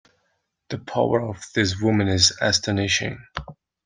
The power of this woman is astonishing.